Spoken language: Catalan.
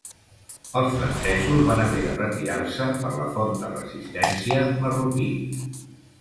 Els francesos van haver de retirar-se per la forta resistència marroquí.